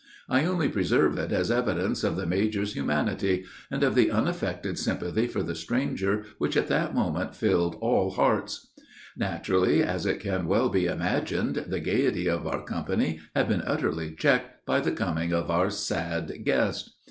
I only preserve it as evidence of the major's humanity, and of the unaffected sympathy for the stranger, which at that moment filled all hearts. Naturally, as it can well be imagined, the gayety of our company had been utterly checked by the coming of our sad guest.